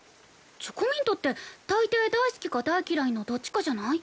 チョコミントって大抵「大好き」か「大嫌い」のどっちかじゃない？